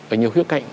ở nhiều khía cạnh